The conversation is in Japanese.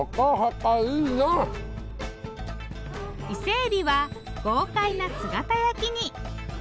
伊勢エビは豪快な姿焼きに。